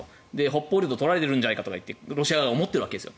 北方領土取られるんじゃないかとロシア側は思っているわけです。